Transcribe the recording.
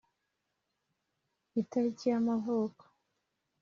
Itariki y amavuko